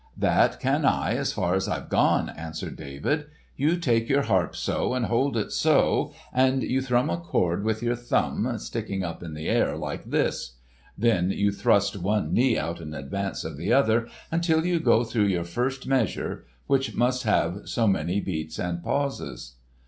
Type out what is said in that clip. "That can I, as far as I've gone," answered David. "You take your harp so, and hold it so, and you thrum a chord with your thumb sticking up in the air like this. Then you thrust one knee out in advance of the other until you go through your first measure, which must have so many beats and pauses."